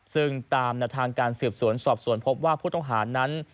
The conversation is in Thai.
ซึ่งตามแนวทางการสืบสวนสอบสวนพบว่าผู้ต้องหานั้น